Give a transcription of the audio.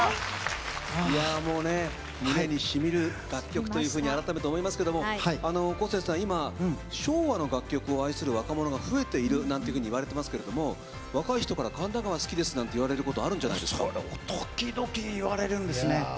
胸に染みる楽曲というふうに改めて思いますけどもこうせつさん今、昭和の楽曲を愛する若者が増えているなんていうふうに言われていますけども若い人から「神田川」好きですと言われることあるんじゃ時々言われるんですね。